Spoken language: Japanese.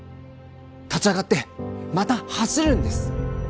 立ち上がってまた走るんです！